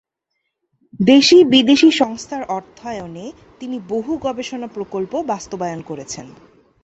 দেশি ও বিদেশি সংস্থার অর্থায়নে তিনি বহু গবেষণা প্রকল্প বাস্তবায়ন করেছেন।